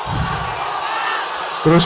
tidak saya minta keberadaan